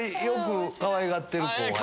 よくかわいがってる後輩。